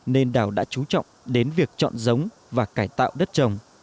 nên đảo đã chú trọng đến việc chọn giống và cải tạo đất trồng